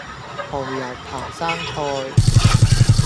蠔油扒生菜